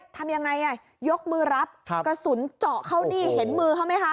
ทำยังไงยกมือรับกระสุนเจาะเข้านี่เห็นมือเขาไหมคะ